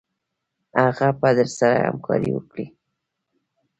هغه به درسره همکاري وکړي.